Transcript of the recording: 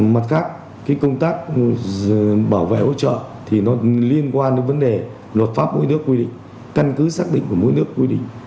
mặt khác công tác bảo vệ hỗ trợ thì nó liên quan đến vấn đề luật pháp mỗi nước quy định căn cứ xác định của mỗi nước quy định